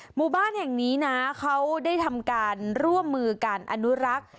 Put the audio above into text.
หมู่บ้านแห่งนี้นะเขาได้ทำการร่วมมือการอนุรักษ์